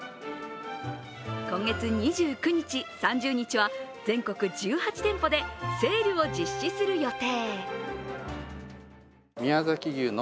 今月２９日、３０日は全国１８店舗でセールを実施する予定。